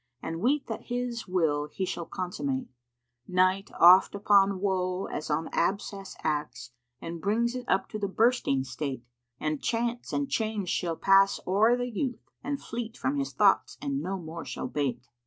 * And weet that His will He shall consummate: Night oft upon woe as on abscess acts * And brings it up to the bursting state: And Chance and Change shall pass o'er the youth * And fleet from his thoughts and no more shall bait."